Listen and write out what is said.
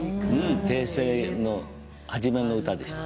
平成の初めの歌でした。